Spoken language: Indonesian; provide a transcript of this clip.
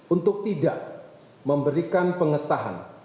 untuk tidak memberikan pengesahan